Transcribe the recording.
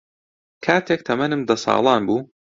کاتێک تەمەنم دە ساڵان بوو